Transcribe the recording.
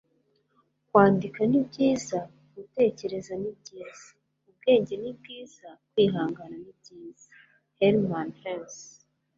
kwandika ni byiza, gutekereza ni byiza. ubwenge ni bwiza, kwihangana ni byiza. - herman hesse